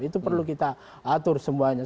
itu perlu kita atur semuanya